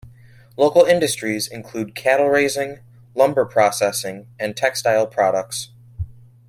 Local industries include cattle raising, lumber processing, and textile products.